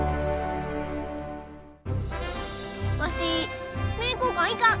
わし名教館行かん。